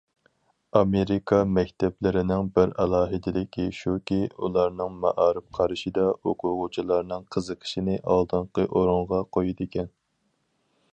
ئامېرىكا مەكتەپلىرىنىڭ بىر ئالاھىدىلىكى شۇكى، ئۇلارنىڭ مائارىپ قارىشىدا ئوقۇغۇچىلارنىڭ قىزىقىشىنى ئالدىنقى ئورۇنغا قويىدىكەن.